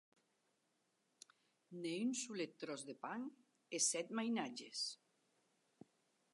Ne un solet tròç de pan e sèt mainatges!